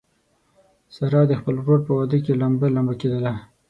ساره د خپل ورور په واده کې لمبه لمبه کېدله.